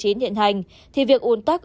hiện hành thì việc ủn tắc